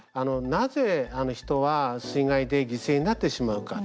なぜ人は水害で犠牲になってしまうか。